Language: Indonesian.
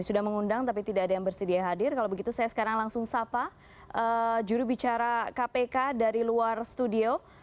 selamat malam mbak putri